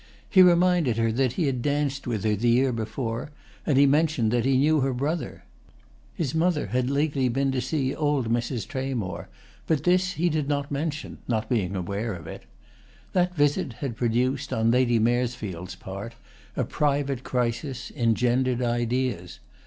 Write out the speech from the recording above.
He reminded her that he had danced with her the year before, and he mentioned that he knew her brother. His mother had lately been to see old Mrs. Tramore, but this he did not mention, not being aware of it. That visit had produced, on Lady Maresfield's part, a private crisis, engendered ideas.